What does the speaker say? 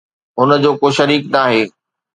هن جو ڪو شريڪ ناهي